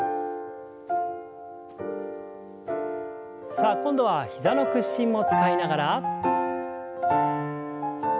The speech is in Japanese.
さあ今度は膝の屈伸も使いながら。